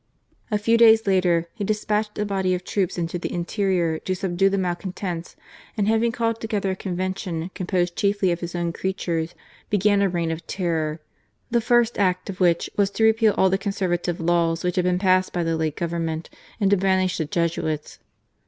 A few days later he despatched a body of troops into the interior to subdue the malcontents, and having called together a conven tion composed chiefly of his own creatures, began a reign of terror, the first act of which was to repeal all the Conservative laws which had been passed by the late Government and to banish the Jesuits.